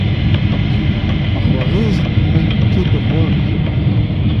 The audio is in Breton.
Ma c'hoarezed n'emaint ket o c'hoari.